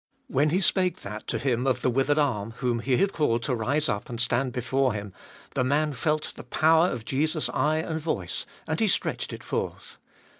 When He spake that to him of the withered arm, whom He had called to rise up and stand before Him, the man felt the power of Jesus' eye and voice, and he stretched it forth.